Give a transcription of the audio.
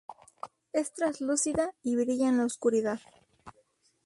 Es translúcida y brilla en la oscuridad.